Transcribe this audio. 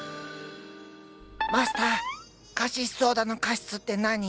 マスターカシスソーダのカシスって何？